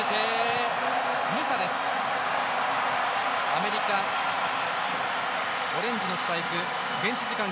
アメリカオレンジのスパイク、現地時間